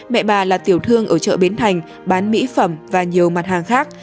mẹ bà là tiểu thương ở chợ bến thành bán mỹ phẩm và nhiều mặt hàng khác